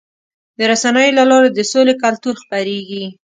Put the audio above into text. د رسنیو له لارې د سولې کلتور خپرېږي.